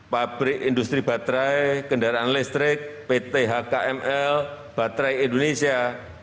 pabrik industri baterai kendaraan listrik pthkml baterai indonesia